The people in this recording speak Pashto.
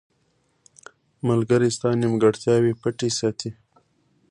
• ملګری ستا نیمګړتیاوې پټې ساتي.